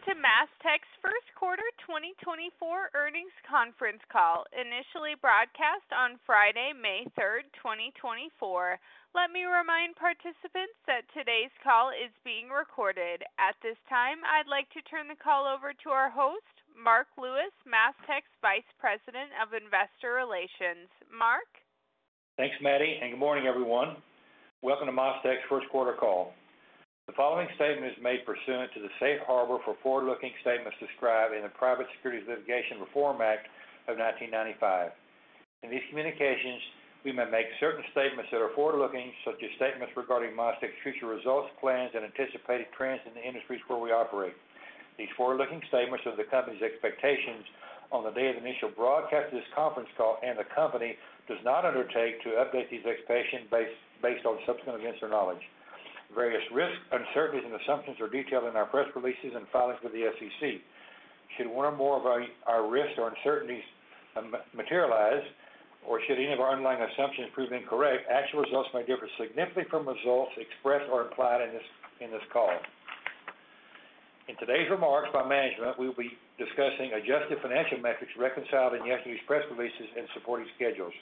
Welcome to MasTec's first quarter 2024 earnings conference call, initially broadcast on Friday, May 3rd, 2024. Let me remind participants that today's call is being recorded. At this time, I'd like to turn the call over to our host, Marc Lewis, MasTec's Vice President of Investor Relations. Marc? Thanks, Maddie, and good morning, everyone. Welcome to MasTec's first quarter call. The following statement is made pursuant to the safe harbor for forward-looking statements described in the Private Securities Litigation Reform Act of 1995. In these communications, we may make certain statements that are forward-looking, such as statements regarding MasTec's future results, plans, and anticipated trends in the industries where we operate. These forward-looking statements are the company's expectations on the day of the initial broadcast of this conference call, and the company does not undertake to update these expectations based on subsequent events or knowledge. Various risks, uncertainties, and assumptions are detailed in our press releases and filings with the SEC. Should one or more of our risks or uncertainties materialize, or should any of our underlying assumptions prove incorrect, actual results may differ significantly from results expressed or implied in this call. In today's remarks by management, we will be discussing adjusted financial metrics reconciled in yesterday's press releases and supporting schedules.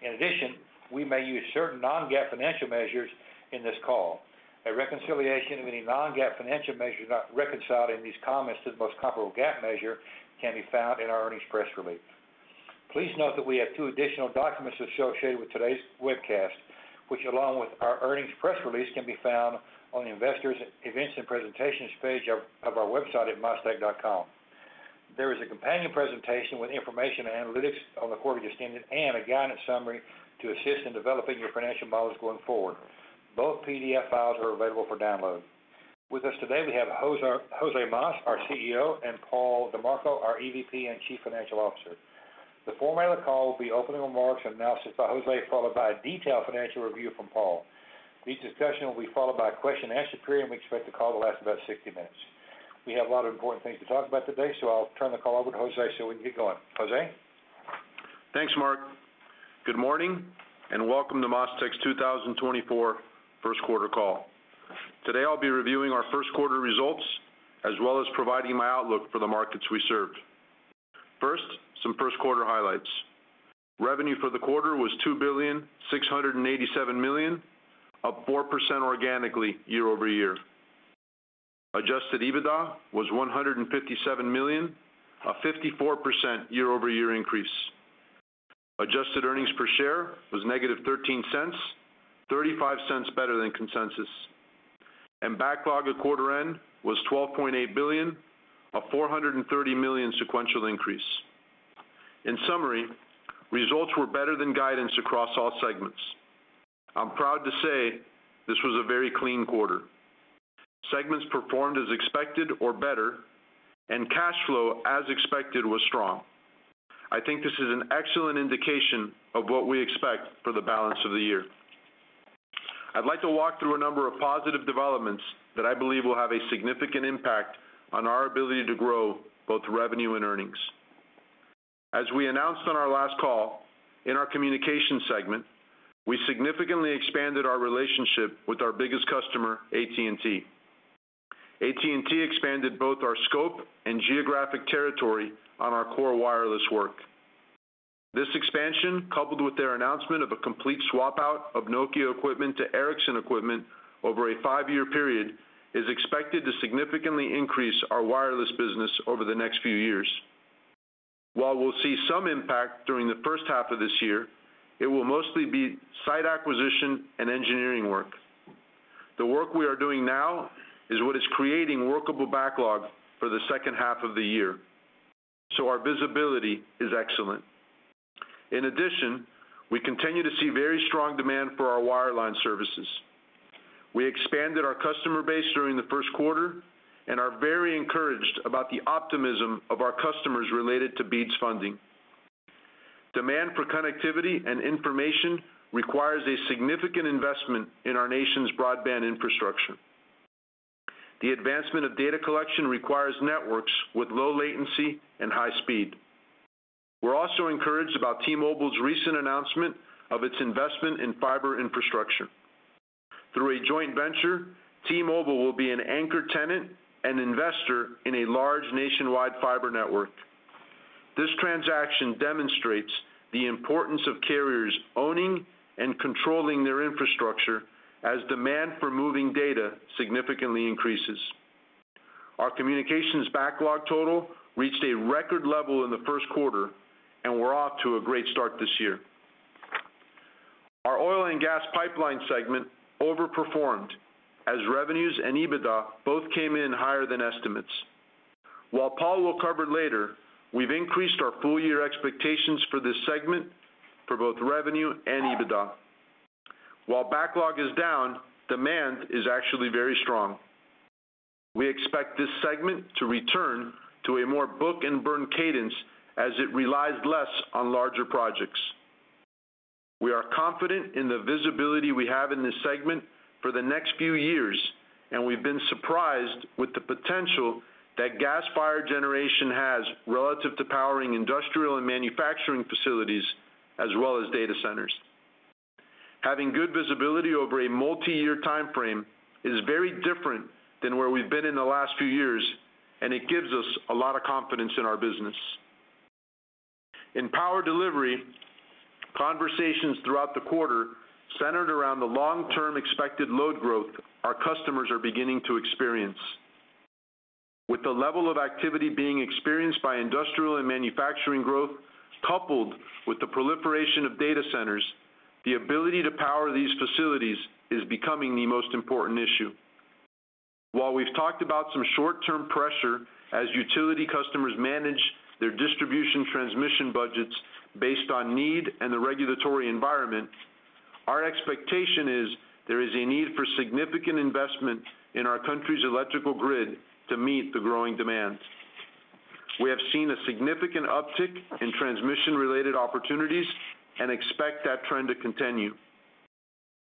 In addition, we may use certain non-GAAP financial measures in this call. A reconciliation of any non-GAAP financial measures not reconciled in these comments to the most comparable GAAP measure can be found in our earnings press release. Please note that we have two additional documents associated with today's webcast, which along with our earnings press release can be found on the investors' events and presentations page of our website at mastec.com. There is a companion presentation with information and analytics on the quarterly extended and a guidance summary to assist in developing your financial models going forward. Both PDF files are available for download. With us today, we have José Mas, our CEO, and Paul DiMarco, our EVP and Chief Financial Officer. The format of the call will be opening remarks and analysis by José, followed by a detailed financial review from Paul. These discussions will be followed by a question-and-answer period, and we expect the call to last about 60 minutes. We have a lot of important things to talk about today, so I'll turn the call over to José so we can get going. José? Thanks, Marc. Good morning and welcome to MasTec's 2024 first quarter call. Today, I'll be reviewing our first quarter results as well as providing my outlook for the markets we serve. First, some first quarter highlights. Revenue for the quarter was $2,687 million, up 4% organically year-over-year. Adjusted EBITDA was $157 million, a 54% year-over-year increase. Adjusted earnings per share was -$0.13, $0.35 better than consensus. Backlog at quarter end was $12.8 billion, a $430 million sequential increase. In summary, results were better than guidance across all segments. I'm proud to say this was a very clean quarter. Segments performed as expected or better, and cash flow as expected was strong. I think this is an excellent indication of what we expect for the balance of the year. I'd like to walk through a number of positive developments that I believe will have a significant impact on our ability to grow both revenue and earnings. As we announced on our last call, in our communications segment, we significantly expanded our relationship with our biggest customer, AT&T. AT&T expanded both our scope and geographic territory on our core wireless work. This expansion, coupled with their announcement of a complete swap out of Nokia equipment to Ericsson equipment over a 5-year period, is expected to significantly increase our wireless business over the next few years. While we'll see some impact during the first half of this year, it will mostly be site acquisition and engineering work. The work we are doing now is what is creating workable backlog for the second half of the year, so our visibility is excellent. In addition, we continue to see very strong demand for our wireline services. We expanded our customer base during the first quarter and are very encouraged about the optimism of our customers related to BEAD's funding. Demand for connectivity and information requires a significant investment in our nation's broadband infrastructure. The advancement of data collection requires networks with low latency and high speed. We're also encouraged about T-Mobile's recent announcement of its investment in fiber infrastructure. Through a joint venture, T-Mobile will be an anchor tenant and investor in a large nationwide fiber network. This transaction demonstrates the importance of carriers owning and controlling their infrastructure as demand for moving data significantly increases. Our communications backlog total reached a record level in the first quarter, and we're off to a great start this year. Our oil and gas pipeline segment overperformed as revenues and EBITDA both came in higher than estimates. While Paul will cover later, we've increased our full-year expectations for this segment for both revenue and EBITDA. While backlog is down, demand is actually very strong. We expect this segment to return to a more book-and-burn cadence as it relies less on larger projects. We are confident in the visibility we have in this segment for the next few years, and we've been surprised with the potential that gas-fired generation has relative to powering industrial and manufacturing facilities as well as data centers. Having good visibility over a multi-year time frame is very different than where we've been in the last few years, and it gives us a lot of confidence in our business. In power delivery, conversations throughout the quarter centered around the long-term expected load growth our customers are beginning to experience. With the level of activity being experienced by industrial and manufacturing growth coupled with the proliferation of data centers, the ability to power these facilities is becoming the most important issue. While we've talked about some short-term pressure as utility customers manage their distribution transmission budgets based on need and the regulatory environment, our expectation is there is a need for significant investment in our country's electrical grid to meet the growing demand. We have seen a significant uptick in transmission-related opportunities and expect that trend to continue.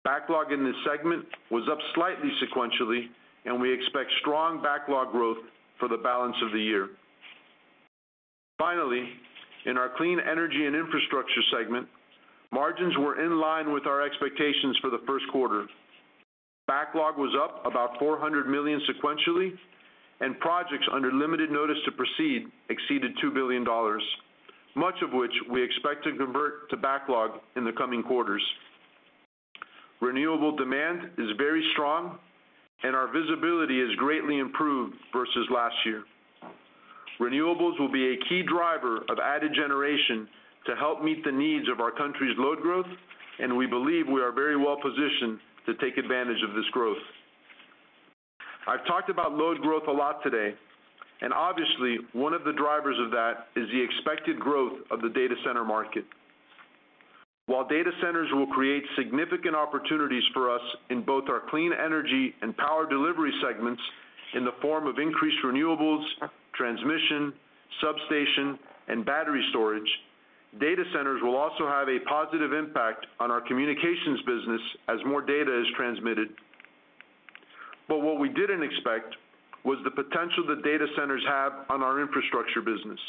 Backlog in this segment was up slightly sequentially, and we expect strong backlog growth for the balance of the year. Finally, in our clean energy and infrastructure segment, margins were in line with our expectations for the first quarter. Backlog was up about $400 million sequentially, and projects under limited notice to proceed exceeded $2 billion, much of which we expect to convert to backlog in the coming quarters. Renewable demand is very strong, and our visibility is greatly improved versus last year. Renewables will be a key driver of added generation to help meet the needs of our country's load growth, and we believe we are very well positioned to take advantage of this growth. I've talked about load growth a lot today, and obviously, one of the drivers of that is the expected growth of the data center market. While data centers will create significant opportunities for us in both our clean energy and power delivery segments in the form of increased renewables, transmission, substation, and battery storage, data centers will also have a positive impact on our communications business as more data is transmitted. But what we didn't expect was the potential the data centers have on our infrastructure business.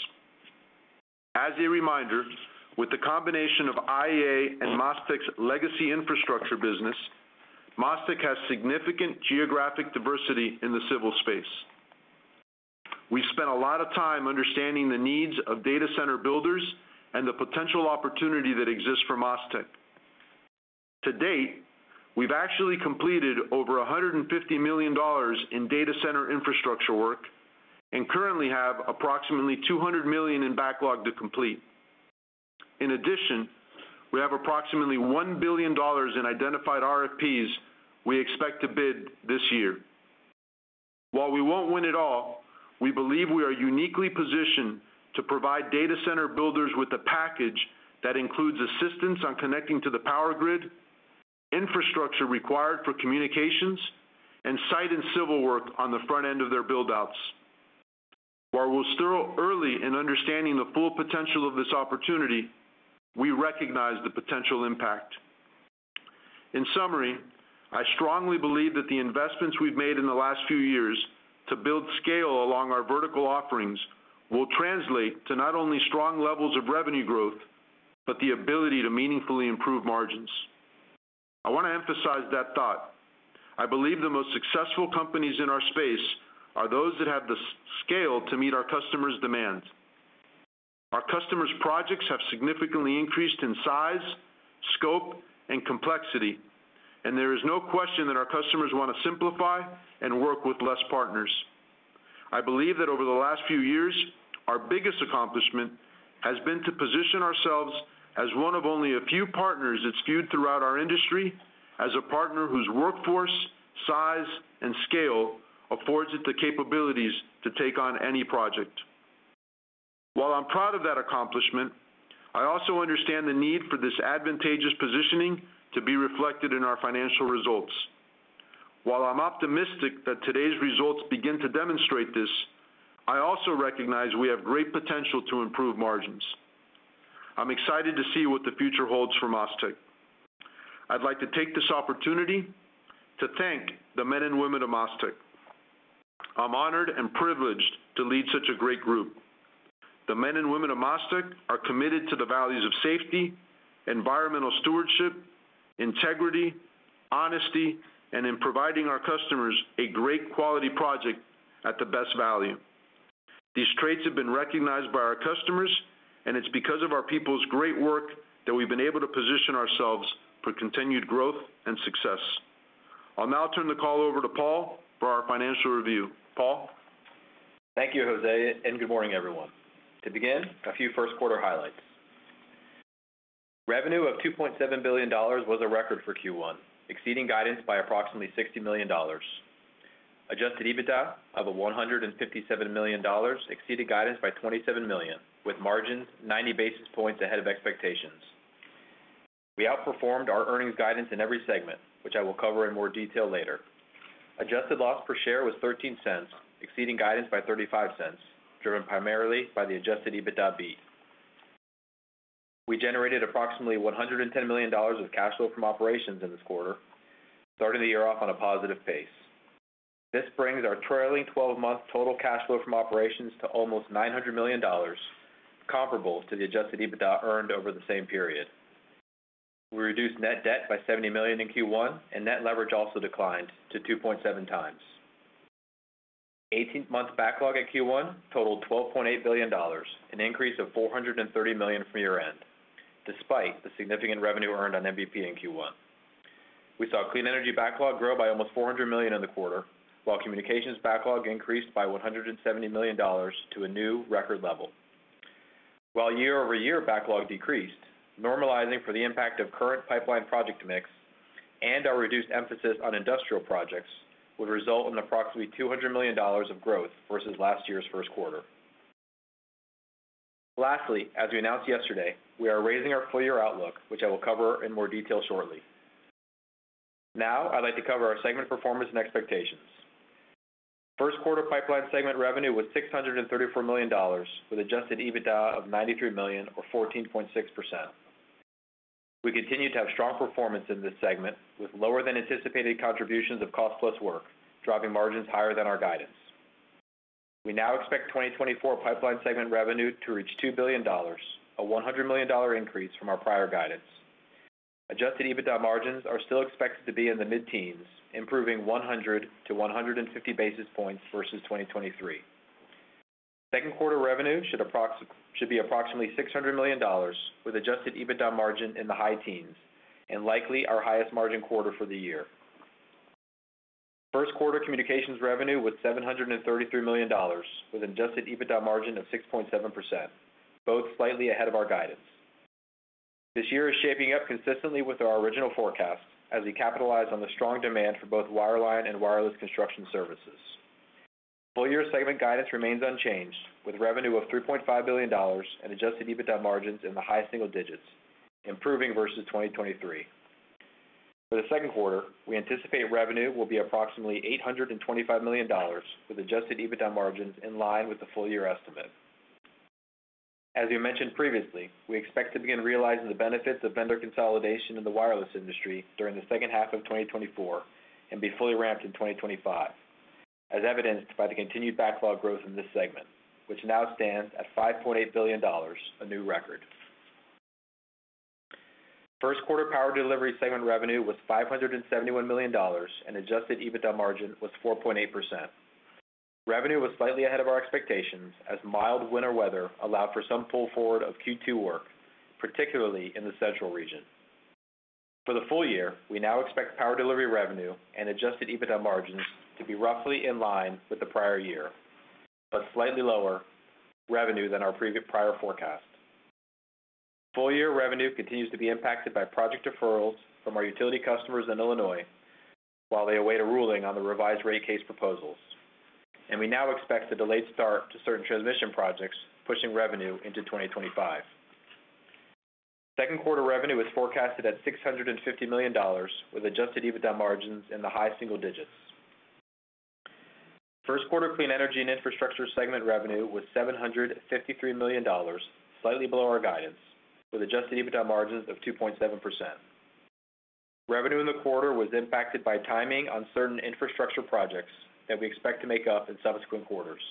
As a reminder, with the combination of IEA and MasTec's legacy infrastructure business, MasTec has significant geographic diversity in the civil space. We've spent a lot of time understanding the needs of data center builders and the potential opportunity that exists for MasTec. To date, we've actually completed over $150 million in data center infrastructure work and currently have approximately $200 million in backlog to complete. In addition, we have approximately $1 billion in identified RFPs we expect to bid this year. While we won't win it all, we believe we are uniquely positioned to provide data center builders with a package that includes assistance on connecting to the power grid, infrastructure required for communications, and site and civil work on the front end of their buildouts. While we're still early in understanding the full potential of this opportunity, we recognize the potential impact. In summary, I strongly believe that the investments we've made in the last few years to build scale along our vertical offerings will translate to not only strong levels of revenue growth but the ability to meaningfully improve margins. I want to emphasize that thought. I believe the most successful companies in our space are those that have the scale to meet our customers' demands. Our customers' projects have significantly increased in size, scope, and complexity, and there is no question that our customers want to simplify and work with less partners. I believe that over the last few years, our biggest accomplishment has been to position ourselves as one of only a few partners it's viewed throughout our industry as a partner whose workforce, size, and scale affords it the capabilities to take on any project. While I'm proud of that accomplishment, I also understand the need for this advantageous positioning to be reflected in our financial results. While I'm optimistic that today's results begin to demonstrate this, I also recognize we have great potential to improve margins. I'm excited to see what the future holds for MasTec. I'd like to take this opportunity to thank the men and women of MasTec. I'm honored and privileged to lead such a great group. The men and women of MasTec are committed to the values of safety, environmental stewardship, integrity, honesty, and in providing our customers a great quality project at the best value. These traits have been recognized by our customers, and it's because of our people's great work that we've been able to position ourselves for continued growth and success. I'll now turn the call over to Paul for our financial review. Paul? Thank you, José, and good morning, everyone. To begin, a few first-quarter highlights. Revenue of $2.7 billion was a record for Q1, exceeding guidance by approximately $60 million. Adjusted EBITDA of $157 million exceeded guidance by $27 million, with margins 90 basis points ahead of expectations. We outperformed our earnings guidance in every segment, which I will cover in more detail later. Adjusted loss per share was $0.13, exceeding guidance by $0.35, driven primarily by the adjusted EBITDA beat. We generated approximately $110 million of cash flow from operations in this quarter, starting the year off on a positive pace. This brings our trailing 12-month total cash flow from operations to almost $900 million, comparable to the adjusted EBITDA earned over the same period. We reduced net debt by $70 million in Q1, and net leverage also declined to 2.7x. 18-month backlog at Q1 totaled $12.8 billion, an increase of $430 million from year-end, despite the significant revenue earned on MVP in Q1. We saw clean energy backlog grow by almost $400 million in the quarter, while communications backlog increased by $170 million to a new record level. While year-over-year backlog decreased, normalizing for the impact of current pipeline project mix and our reduced emphasis on industrial projects would result in approximately $200 million of growth versus last year's first quarter. Lastly, as we announced yesterday, we are raising our full-year outlook, which I will cover in more detail shortly. Now, I'd like to cover our segment performance and expectations. First-quarter pipeline segment revenue was $634 million, with adjusted EBITDA of $93 million, or 14.6%. We continue to have strong performance in this segment, with lower-than-anticipated contributions of cost-plus work driving margins higher than our guidance. We now expect 2024 pipeline segment revenue to reach $2 billion, a $100 million increase from our prior guidance. Adjusted EBITDA margins are still expected to be in the mid-teens, improving 100-150 basis points versus 2023. Second-quarter revenue should be approximately $600 million, with adjusted EBITDA margin in the high-teens and likely our highest margin quarter for the year. First-quarter communications revenue was $733 million, with an adjusted EBITDA margin of 6.7%, both slightly ahead of our guidance. This year is shaping up consistently with our original forecast as we capitalize on the strong demand for both wireline and wireless construction services. Full-year segment guidance remains unchanged, with revenue of $3.5 billion and adjusted EBITDA margins in the high single digits, improving versus 2023. For the second quarter, we anticipate revenue will be approximately $825 million, with adjusted EBITDA margins in line with the full-year estimate. As we mentioned previously, we expect to begin realizing the benefits of vendor consolidation in the wireless industry during the second half of 2024 and be fully ramped in 2025, as evidenced by the continued backlog growth in this segment, which now stands at $5.8 billion, a new record. First-quarter power delivery segment revenue was $571 million, and adjusted EBITDA margin was 4.8%. Revenue was slightly ahead of our expectations as mild winter weather allowed for some pull forward of Q2 work, particularly in the central region. For the full year, we now expect power delivery revenue and adjusted EBITDA margins to be roughly in line with the prior year but slightly lower revenue than our prior forecast. Full-year revenue continues to be impacted by project deferrals from our utility customers in Illinois while they await a ruling on the revised rate case proposals, and we now expect a delayed start to certain transmission projects, pushing revenue into 2025. Second-quarter revenue is forecasted at $650 million, with adjusted EBITDA margins in the high single digits. First-quarter clean energy and infrastructure segment revenue was $753 million, slightly below our guidance, with adjusted EBITDA margins of 2.7%. Revenue in the quarter was impacted by timing on certain infrastructure projects that we expect to make up in subsequent quarters.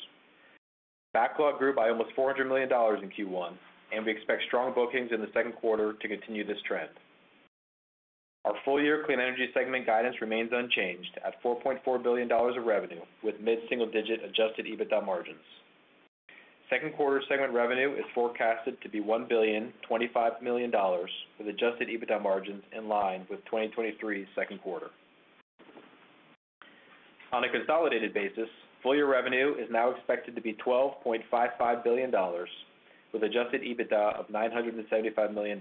Backlog grew by almost $400 million in Q1, and we expect strong bookings in the second quarter to continue this trend. Our full-year clean energy segment guidance remains unchanged at $4.4 billion of revenue, with mid-single digit adjusted EBITDA margins. Second-quarter segment revenue is forecasted to be $1.025 billion, with Adjusted EBITDA margins in line with 2023's second quarter. On a consolidated basis, full-year revenue is now expected to be $12.55 billion, with Adjusted EBITDA of $975 million.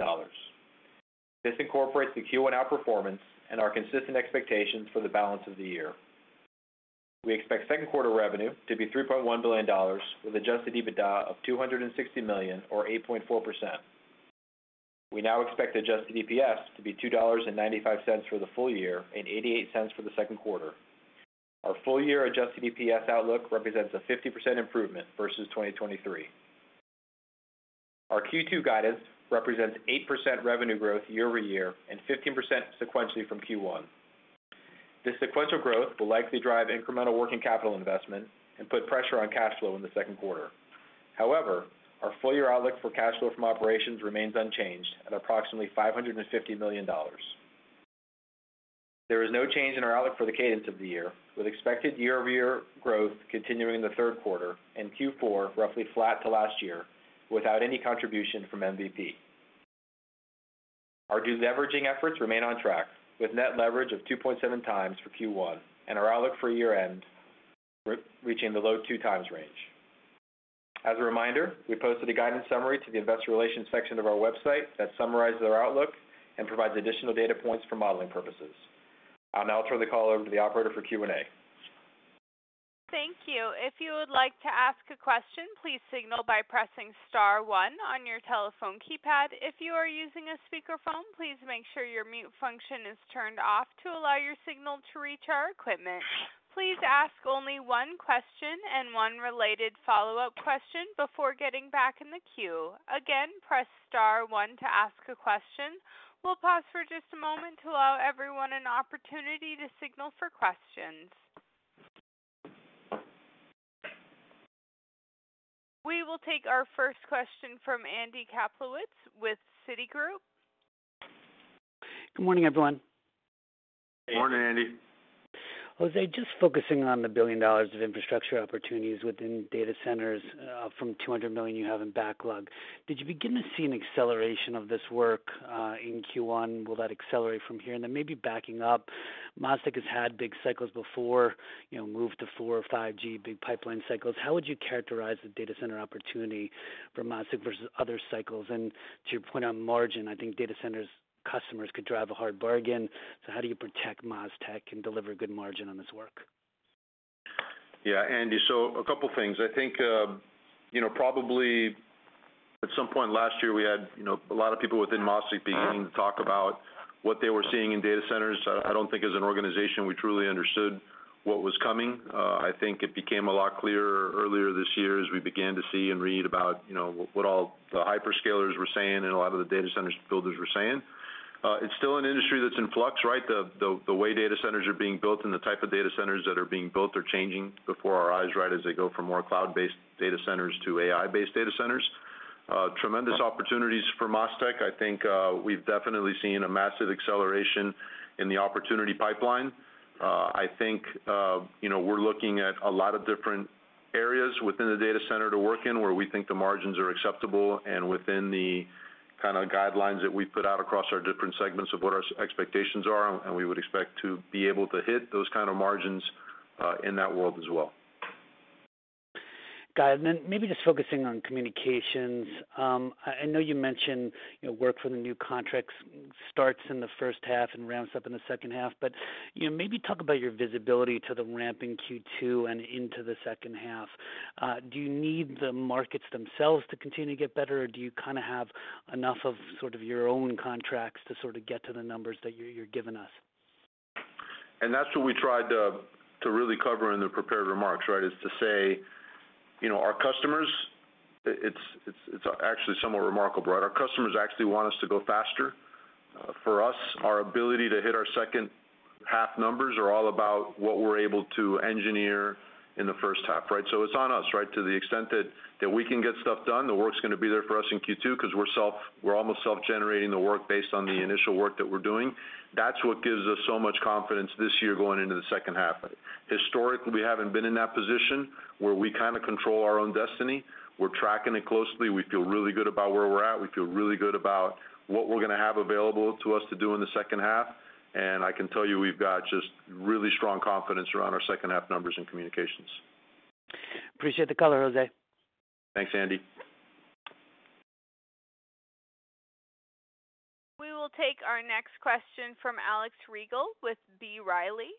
This incorporates the Q1 outperformance and our consistent expectations for the balance of the year. We expect second-quarter revenue to be $3.1 billion, with Adjusted EBITDA of $260 million, or 8.4%. We now expect Adjusted EPS to be $2.95 for the full year and $0.88 for the second quarter. Our full-year Adjusted EPS outlook represents a 50% improvement versus 2023. Our Q2 guidance represents 8% revenue growth year-over-year and 15% sequentially from Q1. This sequential growth will likely drive incremental working capital investment and put pressure on cash flow in the second quarter. However, our full-year outlook for cash flow from operations remains unchanged at approximately $550 million. There is no change in our outlook for the cadence of the year, with expected year-over-year growth continuing in the third quarter and Q4 roughly flat to last year without any contribution from MVP. Our debt leveraging efforts remain on track, with net leverage of 2.7x for Q1 and our outlook for year-end reaching the low 2x range. As a reminder, we posted a guidance summary to the investor relations section of our website that summarizes our outlook and provides additional data points for modeling purposes. I'll now turn the call over to the operator for Q&A. Thank you. If you would like to ask a question, please signal by pressing star one on your telephone keypad. If you are using a speakerphone, please make sure your mute function is turned off to allow your signal to reach our equipment. Please ask only one question and one related follow-up question before getting back in the queue. Again, press star one to ask a question. We'll pause for just a moment to allow everyone an opportunity to signal for questions. We will take our first question from Andy Kaplowitz with Citigroup. Good morning, everyone. Morning, Andy. José, just focusing on the $1 billion of infrastructure opportunities within data centers, from $200 million you have in backlog. Did you begin to see an acceleration of this work, in Q1? Will that accelerate from here? And then maybe backing up, MasTec has had big cycles before, you know, moved to 4G or 5G, big pipeline cycles. How would you characterize the data center opportunity for MasTec versus other cycles? And to your point on margin, I think data centers' customers could drive a hard bargain. So how do you protect MasTec and deliver a good margin on this work? Yeah, Andy. So a couple of things. I think, you know, probably at some point last year, we had, you know, a lot of people within MasTec beginning to talk about what they were seeing in data centers. I don't think as an organization, we truly understood what was coming. I think it became a lot clearer earlier this year as we began to see and read about, you know, what all the hyperscalers were saying and a lot of the data centers builders were saying. It's still an industry that's in flux, right? The way data centers are being built and the type of data centers that are being built are changing before our eyes, right, as they go from more cloud-based data centers to AI-based data centers. Tremendous opportunities for MasTec. I think, we've definitely seen a massive acceleration in the opportunity pipeline. I think, you know, we're looking at a lot of different areas within the data center to work in where we think the margins are acceptable and within the kind of guidelines that we've put out across our different segments of what our expectations are, and we would expect to be able to hit those kind of margins, in that world as well. Got it. And then maybe just focusing on communications. I, I know you mentioned, you know, work for the new contracts starts in the first half and ramps up in the second half. But, you know, maybe talk about your visibility to the ramp in Q2 and into the second half. Do you need the markets themselves to continue to get better, or do you kind of have enough of sort of your own contracts to sort of get to the numbers that you're, you're giving us? And that's what we tried to really cover in the prepared remarks, right, is to say, you know, our customers it's actually somewhat remarkable, right? Our customers actually want us to go faster. For us, our ability to hit our second half numbers are all about what we're able to engineer in the first half, right? So it's on us, right, to the extent that we can get stuff done, the work's going to be there for us in Q2 because we're almost self-generating the work based on the initial work that we're doing. That's what gives us so much confidence this year going into the second half. Historically, we haven't been in that position where we kind of control our own destiny. We're tracking it closely. We feel really good about where we're at. We feel really good about what we're going to have available to us to do in the second half. I can tell you we've got just really strong confidence around our second half numbers and communications. Appreciate the call, José. Thanks, Andy. We will take our next question from Alex Rygiel with B. Riley.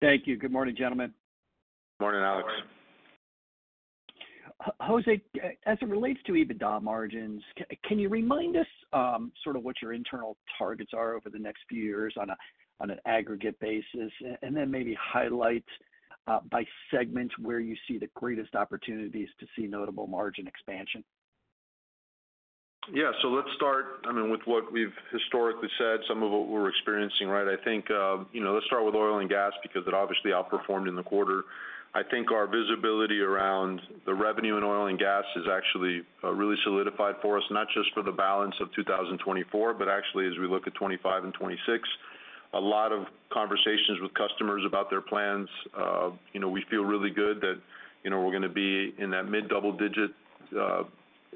Thank you. Good morning, gentlemen. Morning, Alex. José, as it relates to EBITDA margins, can you remind us, sort of what your internal targets are over the next few years on an aggregate basis, and then maybe highlight, by segment where you see the greatest opportunities to see notable margin expansion? Yeah. So let's start, I mean, with what we've historically said, some of what we're experiencing, right? I think, you know, let's start with oil and gas because it obviously outperformed in the quarter. I think our visibility around the revenue in oil and gas has actually, really solidified for us, not just for the balance of 2024 but actually as we look at 2025 and 2026. A lot of conversations with customers about their plans. You know, we feel really good that, you know, we're going to be in that mid-double digit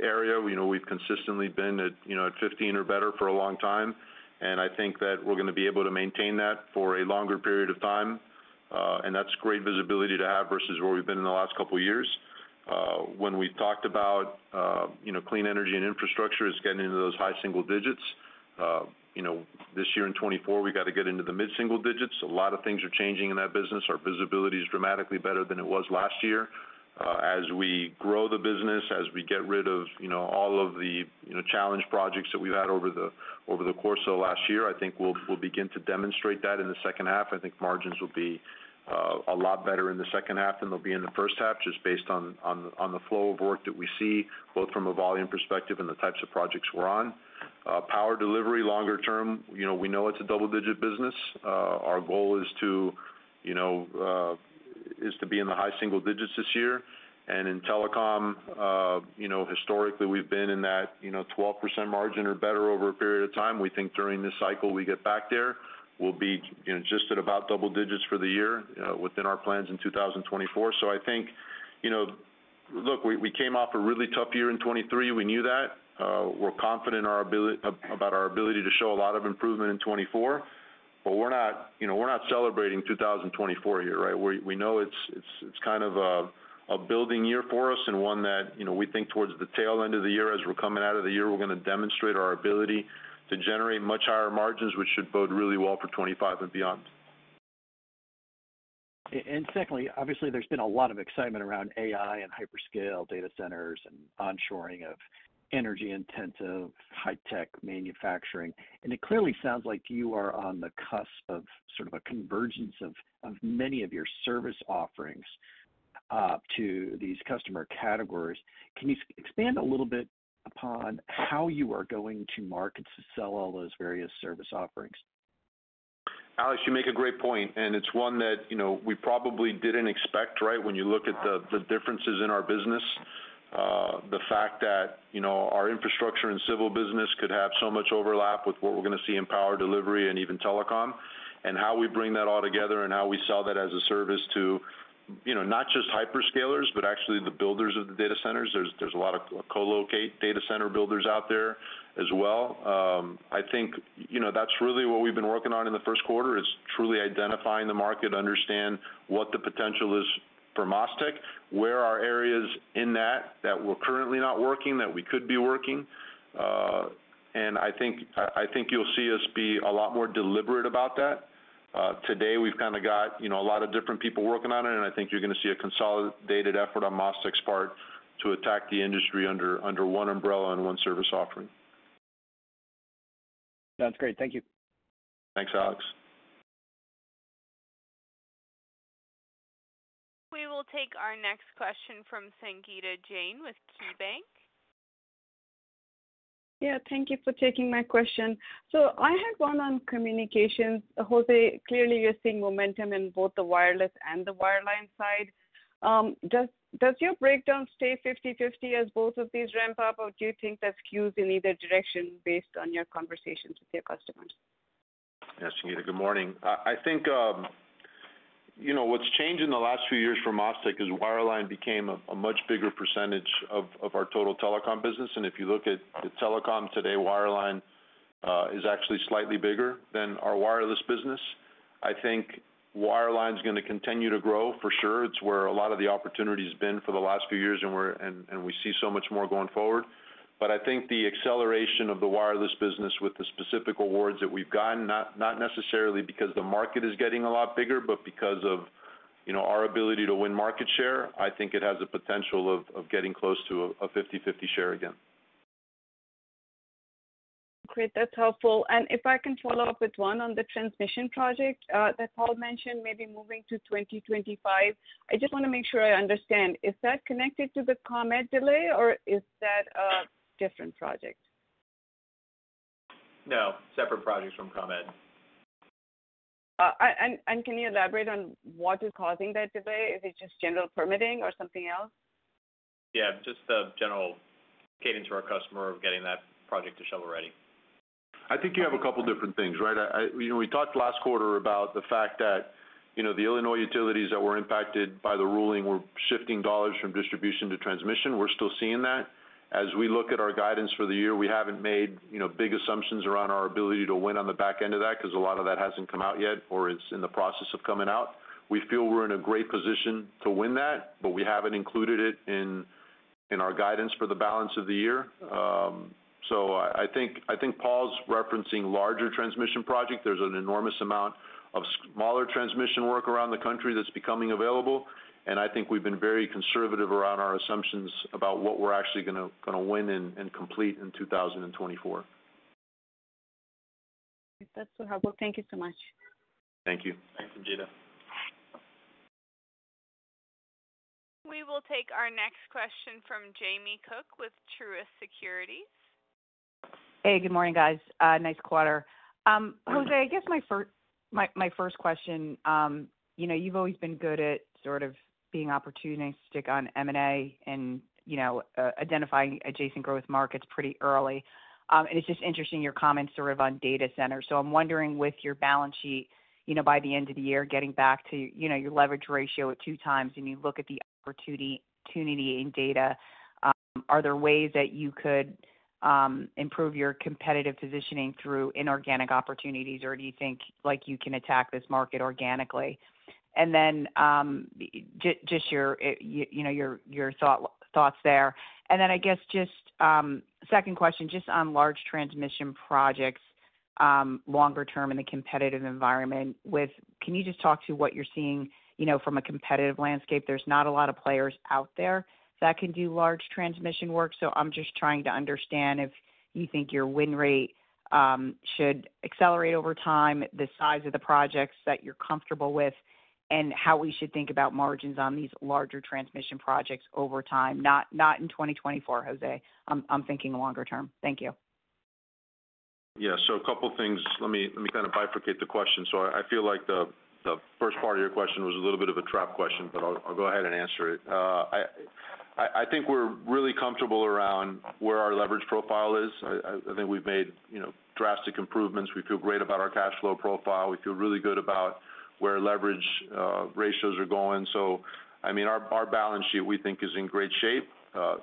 area. You know, we've consistently been at, you know, at 15 or better for a long time. And I think that we're going to be able to maintain that for a longer period of time. And that's great visibility to have versus where we've been in the last couple of years. When we talked about, you know, Clean Energy and Infrastructure is getting into those high single digits. You know, this year in 2024, we got to get into the mid-single digits. A lot of things are changing in that business. Our visibility is dramatically better than it was last year. As we grow the business, as we get rid of, you know, all of the, you know, challenge projects that we've had over the course of the last year, I think we'll begin to demonstrate that in the second half. I think margins will be a lot better in the second half than they'll be in the first half just based on the flow of work that we see both from a volume perspective and the types of projects we're on. Power Delivery longer term, you know, we know it's a double-digit business. Our goal is to, you know, is to be in the high single digits this year. And in telecom, you know, historically, we've been in that, you know, 12% margin or better over a period of time. We think during this cycle, we get back there. We'll be, you know, just at about double digits for the year, within our plans in 2024. So I think, you know, look, we came off a really tough year in 2023. We knew that. We're confident in our ability about our ability to show a lot of improvement in 2024. But we're not you know, we're not celebrating 2024 here, right? We know it's kind of a building year for us and one that, you know, we think towards the tail end of the year as we're coming out of the year, we're going to demonstrate our ability to generate much higher margins, which should bode really well for 2025 and beyond. And secondly, obviously, there's been a lot of excitement around AI and hyperscale data centers and onshoring of energy-intensive high-tech manufacturing. And it clearly sounds like you are on the cusp of sort of a convergence of many of your service offerings to these customer categories. Can you expand a little bit upon how you are going to market to sell all those various service offerings? Alex, you make a great point. It's one that, you know, we probably didn't expect, right, when you look at the differences in our business, the fact that, you know, our infrastructure and civil business could have so much overlap with what we're going to see in power delivery and even telecom, and how we bring that all together and how we sell that as a service to, you know, not just hyperscalers but actually the builders of the data centers. There's a lot of co-locate data center builders out there as well. I think, you know, that's really what we've been working on in the first quarter is truly identifying the market, understand what the potential is for MasTec, where our areas in that we're currently not working, that we could be working. I think I, I think you'll see us be a lot more deliberate about that. Today, we've kind of got, you know, a lot of different people working on it, and I think you're going to see a consolidated effort on MasTec's part to attack the industry under, under one umbrella and one service offering. Sounds great. Thank you. Thanks, Alex. We will take our next question from Sangita Jain with KeyBanc. Yeah. Thank you for taking my question. So I had one on communications. José, clearly, you're seeing momentum in both the wireless and the wireline side. Does your breakdown stay 50/50 as both of these ramp up, or do you think that's skews in either direction based on your conversations with your customers? Yeah, Sangita, good morning. I think, you know, what's changed in the last few years for MasTec is wireline became a much bigger percentage of our total telecom business. And if you look at telecom today, wireline is actually slightly bigger than our wireless business. I think wireline's going to continue to grow, for sure. It's where a lot of the opportunity's been for the last few years, and we see so much more going forward. But I think the acceleration of the wireless business with the specific awards that we've gotten, not necessarily because the market is getting a lot bigger but because of, you know, our ability to win market share, I think it has the potential of getting close to a 50/50 share again. Great. That's helpful. And if I can follow up with one on the transmission project, that Paul mentioned, maybe moving to 2025, I just want to make sure I understand. Is that connected to the ComEd delay, or is that a different project? No. Separate project from ComEd. And can you elaborate on what is causing that delay? Is it just general permitting or something else? Yeah. Just the general cadence for our customer of getting that project to shovel-ready. I think you have a couple of different things, right? I, you know, we talked last quarter about the fact that, you know, the Illinois utilities that were impacted by the ruling were shifting dollars from distribution to transmission. We're still seeing that. As we look at our guidance for the year, we haven't made, you know, big assumptions around our ability to win on the back end of that because a lot of that hasn't come out yet or is in the process of coming out. We feel we're in a great position to win that, but we haven't included it in our guidance for the balance of the year. So I think Paul's referencing larger transmission projects. There's an enormous amount of smaller transmission work around the country that's becoming available. And I think we've been very conservative around our assumptions about what we're actually going to win and complete in 2024. Great. That's wonderful. Thank you so much. Thank you, Sangita. We will take our next question from Jamie Cook with Truist Securities. Hey. Good morning, guys. Nice quarter. José, I guess my first question, you know, you've always been good at sort of being opportunistic on M&A and, you know, identifying adjacent growth markets pretty early. It's just interesting your comments sort of on data centers. So I'm wondering, with your balance sheet, you know, by the end of the year, getting back to, you know, your leverage ratio at 2x, and you look at the opportunity in data, are there ways that you could improve your competitive positioning through inorganic opportunities, or do you think, like, you can attack this market organically? And then, just your, you know, your thoughts there. And then I guess just second question, just on large transmission projects, longer term in the competitive environment. Can you just talk to what you're seeing, you know, from a competitive landscape? There's not a lot of players out there that can do large transmission work. So I'm just trying to understand if you think your win rate should accelerate over time, the size of the projects that you're comfortable with, and how we should think about margins on these larger transmission projects over time, not in 2024, José. I'm thinking longer term. Thank you. Yeah. So a couple of things. Let me kind of bifurcate the question. So I feel like the first part of your question was a little bit of a trap question, but I'll go ahead and answer it. I think we're really comfortable around where our leverage profile is. I think we've made, you know, drastic improvements. We feel great about our cash flow profile. We feel really good about where leverage ratios are going. So, I mean, our balance sheet, we think, is in great shape.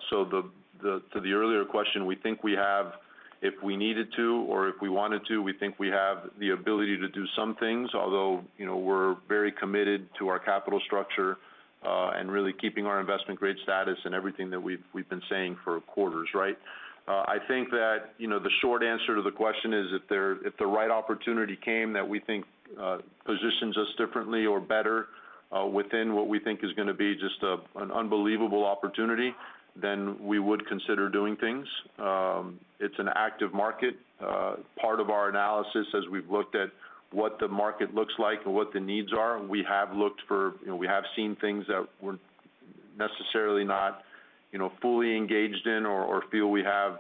So, to the earlier question, we think we have, if we needed to or if we wanted to, we think we have the ability to do some things, although, you know, we're very committed to our capital structure, and really keeping our investment grade status and everything that we've been saying for quarters, right? I think that, you know, the short answer to the question is if the right opportunity came that we think positions us differently or better, within what we think is going to be just an unbelievable opportunity, then we would consider doing things. It's an active market. Part of our analysis, as we've looked at what the market looks like and what the needs are, we have looked, you know, we have seen things that we're necessarily not, you know, fully engaged in or feel we have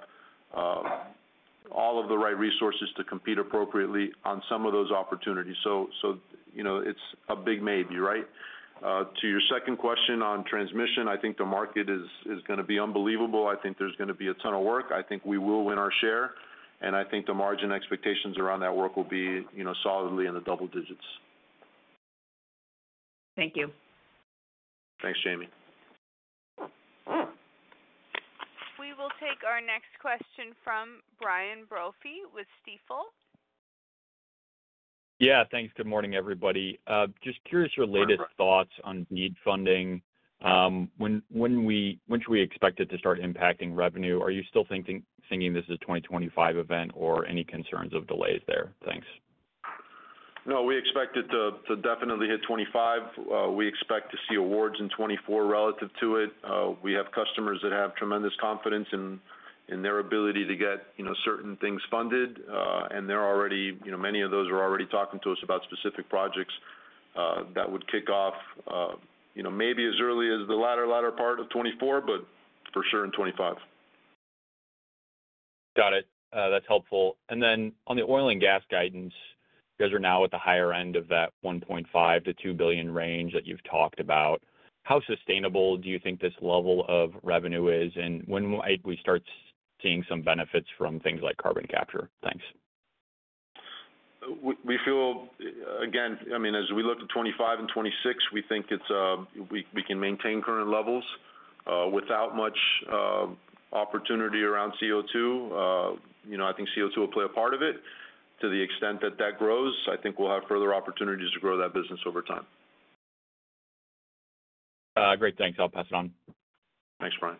all of the right resources to compete appropriately on some of those opportunities. So, you know, it's a big maybe, right? To your second question on transmission, I think the market is going to be unbelievable. I think there's going to be a ton of work. I think we will win our share. And I think the margin expectations around that work will be, you know, solidly in the double digits. Thank you. Thanks, Jamie. We will take our next question from Brian Brophy with Stifel. Yeah. Thanks. Good morning, everybody. Just curious your latest thoughts on BEAD funding. When should we expect it to start impacting revenue? Are you still thinking this is a 2025 event or any concerns of delays there? Thanks. No. We expect it to definitely hit 2025. We expect to see awards in 2024 relative to it. We have customers that have tremendous confidence in their ability to get, you know, certain things funded. And they're already, you know, many of those are already talking to us about specific projects that would kick off, you know, maybe as early as the latter part of 2024 but for sure in 2025. Got it. That's helpful. And then on the oil and gas guidance, you guys are now at the higher end of that $1.5 billion-$2 billion range that you've talked about. How sustainable do you think this level of revenue is and when might we start seeing some benefits from things like carbon capture? Thanks. We feel again, I mean, as we look to 2025 and 2026, we think we can maintain current levels, without much opportunity around CO2. You know, I think CO2 will play a part of it. To the extent that that grows, I think we'll have further opportunities to grow that business over time. Great. Thanks. I'll pass it on. Thanks, Brian.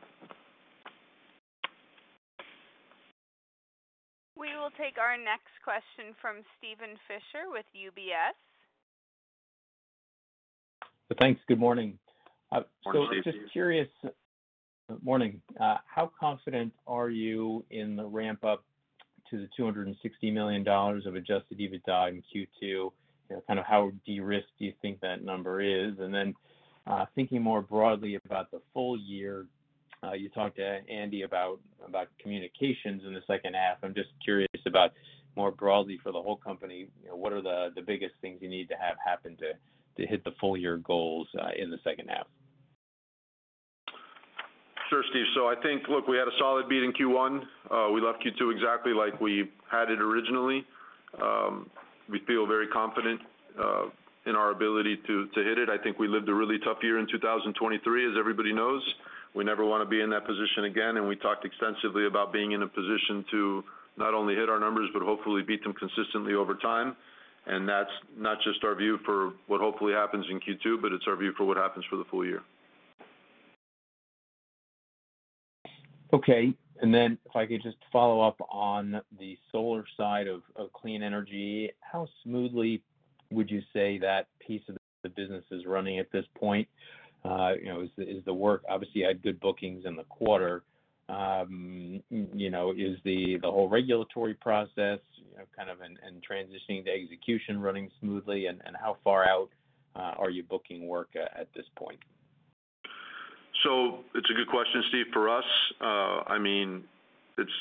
We will take our next question from Steven Fisher with UBS. Thanks. Good morning. So just curious, good morning. How confident are you in the ramp-up to the $260 million of Adjusted EBITDA in Q2? You know, kind of how de-risked do you think that number is? And then, thinking more broadly about the full year, you talked to Andy about, about communications in the second half. I'm just curious about more broadly for the whole company, you know, what are the, the biggest things you need to have happen to, to hit the full-year goals, in the second half? Sure, Steve. So I think look, we had a solid beat in Q1. We left Q2 exactly like we had it originally. We feel very confident in our ability to hit it. I think we lived a really tough year in 2023, as everybody knows. We never want to be in that position again. And we talked extensively about being in a position to not only hit our numbers but hopefully beat them consistently over time. And that's not just our view for what hopefully happens in Q2, but it's our view for what happens for the full year. Okay. And then if I could just follow up on the solar side of clean energy, how smoothly would you say that piece of the business is running at this point? You know, is the work obviously, you had good bookings in the quarter. You know, is the whole regulatory process, you know, kind of in transitioning to execution running smoothly? And how far out are you booking work at this point? So it's a good question, Steve. For us, I mean, it's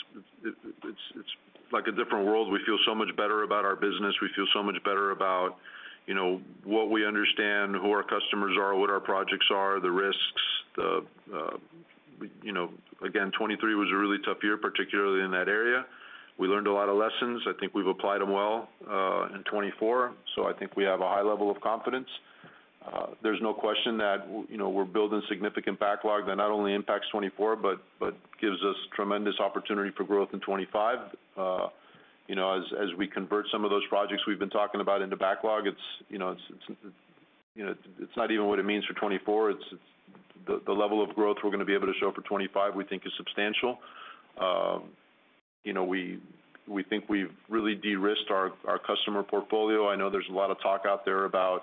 like a different world. We feel so much better about our business. We feel so much better about, you know, what we understand, who our customers are, what our projects are, the risks, the, you know, again, 2023 was a really tough year, particularly in that area. We learned a lot of lessons. I think we've applied them well, in 2024. So I think we have a high level of confidence. There's no question that, you know, we're building significant backlog that not only impacts 2024 but gives us tremendous opportunity for growth in 2025. You know, as we convert some of those projects we've been talking about into backlog, it's, you know, it's not even what it means for 2024. It's the level of growth we're going to be able to show for 2025, we think, is substantial. You know, we think we've really de-risked our customer portfolio. I know there's a lot of talk out there about,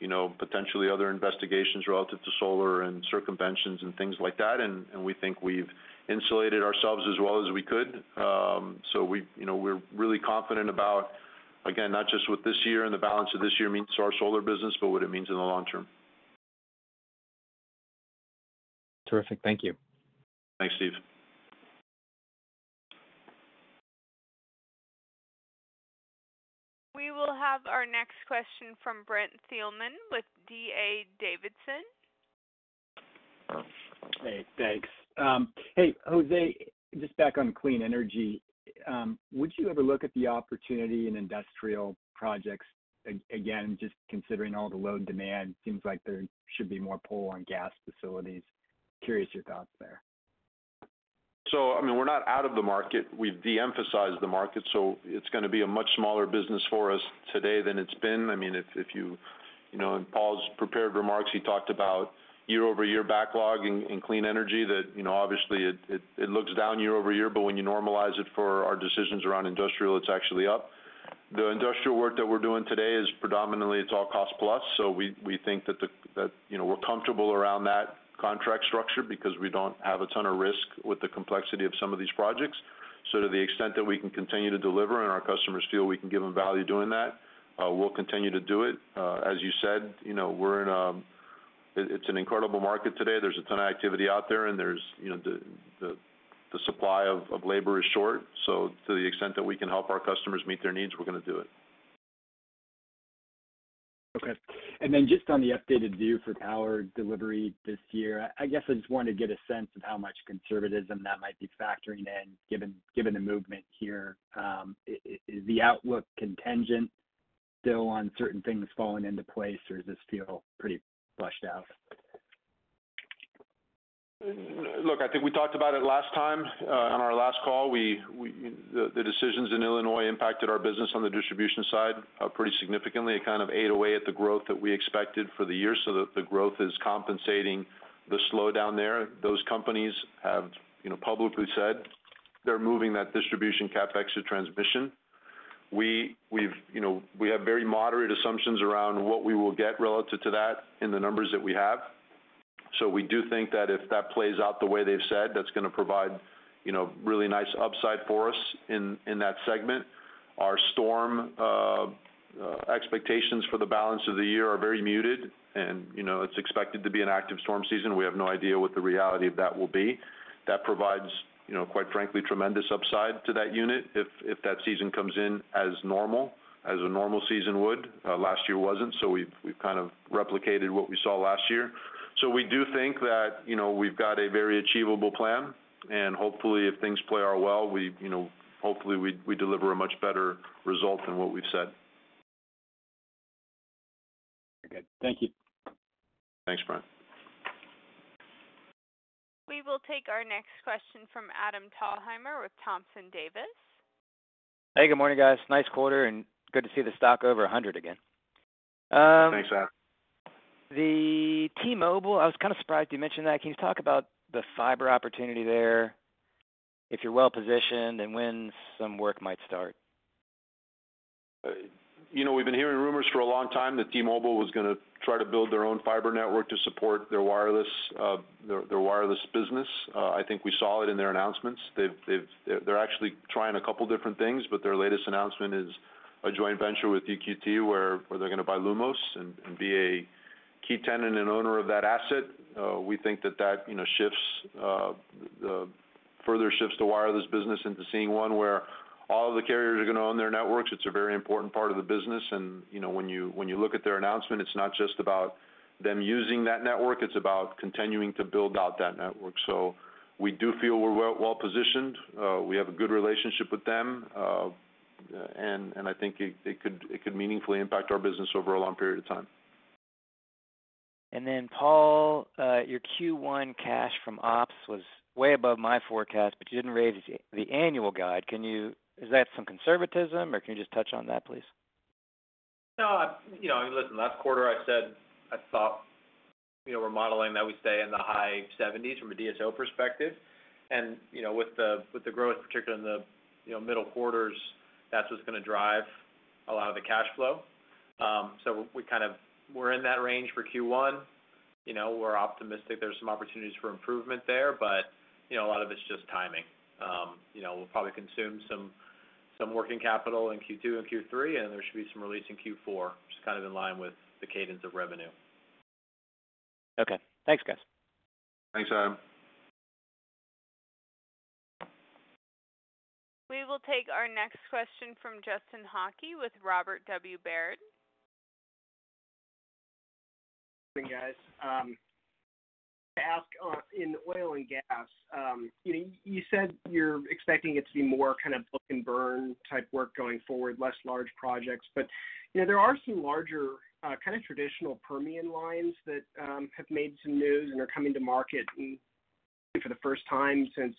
you know, potentially other investigations relative to solar and circumventions and things like that. And we think we've insulated ourselves as well as we could. So we, you know, we're really confident about, again, not just what this year and the balance of this year means to our solar business but what it means in the long term. Terrific. Thank you. Thanks, Steve. We will have our next question from Brent Thielman with D.A. Davidson. Hey. Thanks. Hey, José, just back on clean energy. Would you ever look at the opportunity in industrial projects again, just considering all the load demand? Seems like there should be more pull on gas facilities. Curious your thoughts there. So, I mean, we're not out of the market. We've de-emphasized the market. So it's going to be a much smaller business for us today than it's been. I mean, if you know, in Paul's prepared remarks, he talked about year-over-year backlog in clean energy that, you know, obviously, it looks down year-over-year, but when you normalize it for our decisions around industrial, it's actually up. The industrial work that we're doing today is predominantly, it's all cost-plus. So we think that, you know, we're comfortable around that contract structure because we don't have a ton of risk with the complexity of some of these projects. So to the extent that we can continue to deliver and our customers feel we can give them value doing that, we'll continue to do it. As you said, you know, we're in a—it's an incredible market today. There's a ton of activity out there, and there's, you know, the supply of labor is short. So to the extent that we can help our customers meet their needs, we're going to do it. Okay. And then just on the updated view for power delivery this year, I guess I just wanted to get a sense of how much conservatism that might be factoring in given the movement here. Is the outlook contingent still on certain things falling into place, or does this feel pretty pushed out? Look, I think we talked about it last time, on our last call. We, the decisions in Illinois impacted our business on the distribution side, pretty significantly. It kind of ate away at the growth that we expected for the year. So the growth is compensating the slowdown there. Those companies have, you know, publicly said they're moving that distribution capex to transmission. We have very moderate assumptions around what we will get relative to that in the numbers that we have. So we do think that if that plays out the way they've said, that's going to provide, you know, really nice upside for us in that segment. Our storm expectations for the balance of the year are very muted. And, you know, it's expected to be an active storm season. We have no idea what the reality of that will be. That provides, you know, quite frankly, tremendous upside to that unit if that season comes in as normal, as a normal season would. Last year wasn't. So we've kind of replicated what we saw last year. So we do think that, you know, we've got a very achievable plan. And hopefully, if things play out well, we, you know, hopefully, deliver a much better result than what we've said. Very good. Thank you. Thanks, Brent. We will take our next question from Adam Thalhimer with Thompson Davis. Hey. Good morning, guys. Nice quarter, and good to see the stock over 100 again. Thanks, Adam. The T-Mobile I was kind of surprised you mentioned that. Can you talk about the fiber opportunity there, if you're well-positioned, and when some work might start? You know, we've been hearing rumors for a long time that T-Mobile was going to try to build their own fiber network to support their wireless business. I think we saw it in their announcements. They're actually trying a couple of different things, but their latest announcement is a joint venture with EQT where they're going to buy Lumos and be a key tenant and owner of that asset. We think that, you know, further shifts the wireless business into seeing one where all of the carriers are going to own their networks. It's a very important part of the business. And, you know, when you look at their announcement, it's not just about them using that network. It's about continuing to build out that network. So we do feel we're well-positioned. We have a good relationship with them. And I think it could meaningfully impact our business over a long period of time. Paul, your Q1 cash from ops was way above my forecast, but you didn't raise the annual guide. Is that some conservatism, or can you just touch on that, please? No, you know, listen, last quarter, I said I thought, you know, we're modeling that we stay in the high 70s from a DSO perspective. And, you know, with the growth, particularly in the, you know, middle quarters, that's what's going to drive a lot of the cash flow. So we kind of were in that range for Q1. You know, we're optimistic there's some opportunities for improvement there, but, you know, a lot of it's just timing. You know, we'll probably consume some working capital in Q2 and Q3, and there should be some release in Q4, just kind of in line with the cadence of revenue. Okay. Thanks, guys. Thanks, Adam. We will take our next question from Justin Hauke with Robert W. Baird. Good morning, guys. To ask, in oil and gas, you know, you said you're expecting it to be more kind of book-and-burn type work going forward, less large projects. But, you know, there are some larger, kind of traditional Permian lines that have made some news and are coming to market, and for the first time since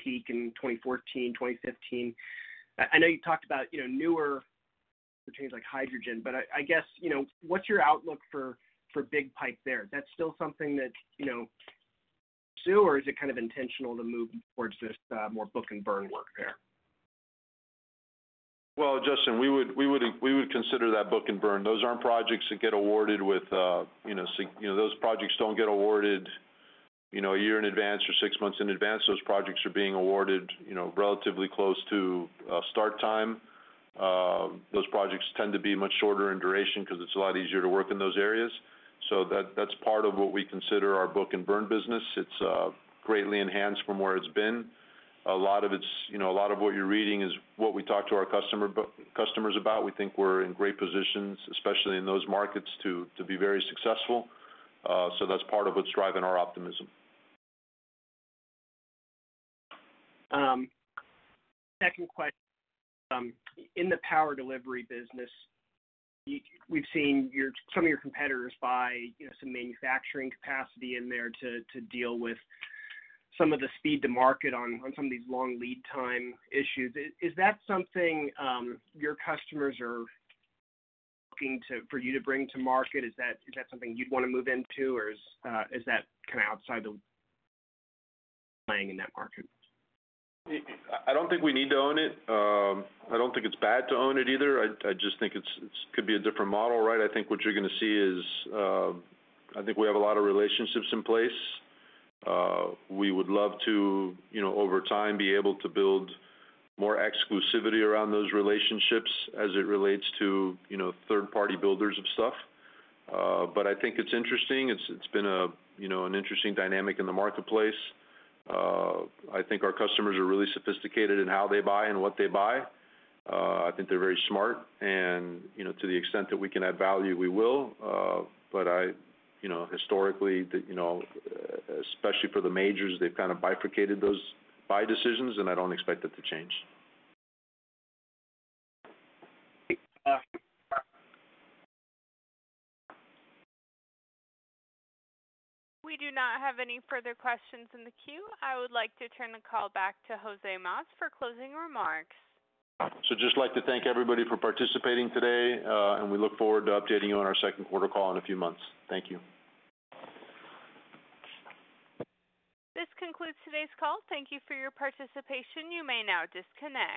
peak in 2014, 2015. I know you talked about, you know, newer opportunities like hydrogen, but I guess, you know, what's your outlook for big pipe there? Is that still something that you know pursue, or is it kind of intentional to move towards this more book-and-burn work there? Well, Justin, we would consider that book-and-burn. Those aren't projects that get awarded with, you know, so you know, those projects don't get awarded, you know, a year in advance or six months in advance. Those projects are being awarded, you know, relatively close to start time. Those projects tend to be much shorter in duration because it's a lot easier to work in those areas. So that's part of what we consider our book-and-burn business. It's greatly enhanced from where it's been. A lot of it you know, a lot of what you're reading is what we talk to our customers about. We think we're in great positions, especially in those markets, to be very successful. So that's part of what's driving our optimism. Second question. In the power delivery business, we've seen some of your competitors buy, you know, some manufacturing capacity in there to deal with some of the speed to market on some of these long lead time issues. Is that something your customers are looking to for you to bring to market? Is that something you'd want to move into, or is that kind of outside the playing in that market? I don't think we need to own it. I don't think it's bad to own it either. I just think it could be a different model, right? I think what you're going to see is, I think we have a lot of relationships in place. We would love to, you know, over time, be able to build more exclusivity around those relationships as it relates to, you know, third-party builders of stuff. But I think it's interesting. It's been a, you know, an interesting dynamic in the marketplace. I think our customers are really sophisticated in how they buy and what they buy. I think they're very smart. And, you know, to the extent that we can add value, we will. But I, you know, historically, the you know, especially for the majors, they've kind of bifurcated those buy decisions, and I don't expect that to change. We do not have any further questions in the queue. I would like to turn the call back to José Mas for closing remarks. Just like to thank everybody for participating today, and we look forward to updating you on our second quarter call in a few months. Thank you. This concludes today's call. Thank you for your participation. You may now disconnect.